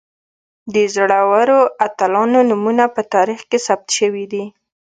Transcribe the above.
د زړورو اتلانو نومونه په تاریخ کې ثبت شوي دي.